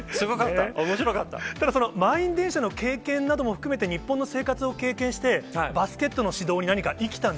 だから、満員電車の経験なども含めて、日本の生活を経験して、バスケットの指導に何か生きたん